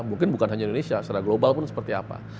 mungkin bukan hanya indonesia secara global pun seperti apa